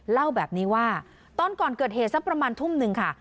เล่าแบบนี้ว่าตอนก่อนเกิดเหตุสักประมาณทุ่มหนึ่งค่ะ